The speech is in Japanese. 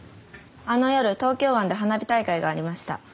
あの夜東京湾で花火大会がありました。